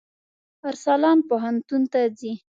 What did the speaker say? ارسلان پوهنتون ته ځي.